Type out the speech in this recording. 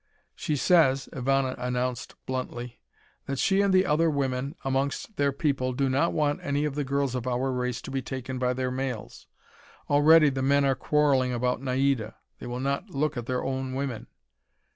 "She says," Ivana announced bluntly, "that she and the other women amongst their people, do not want any of the girls of our race to be taken by their males. Already the men are quarreling about Naida. They will not look at their own women.